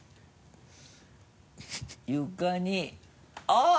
床にあっ！